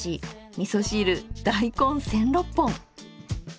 みそ汁大根千六本！